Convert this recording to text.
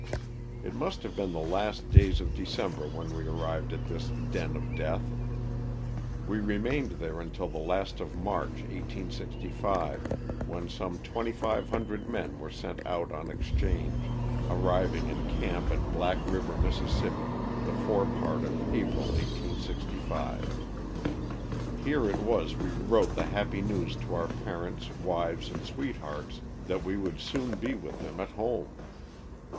It must have been the last days of December when we arrived at this *'den of death." We remained there until the last of March, 1865, when some 2,500 men were sent ouVon exchange — arriving in camp at Black River, Miss., the fore part of April, 1865. Here it was we wrote the happy news to our parents, wives, and sweethearts that we would soon be with them at home.